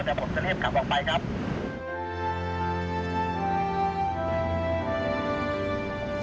เดี๋ยวสำรวจเสร็จแล้วแต่ผมจะรีบกลับออกไปครับ